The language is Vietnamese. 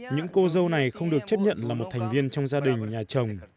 những cô dâu này không được chấp nhận là một thành viên trong gia đình nhà chồng